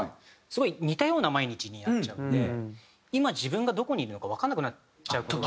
すごい似たような毎日になっちゃうんで今自分がどこにいるのかわかんなくなっちゃう事が。